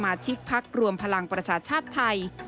ชิกพักรวมพลังประชาชาติไทย